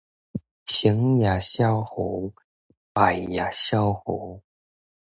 成也蕭何，敗也蕭何